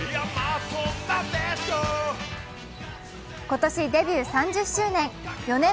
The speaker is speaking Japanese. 今年デビュー３０周年。